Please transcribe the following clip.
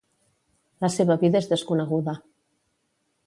La seva vida és desconeguda.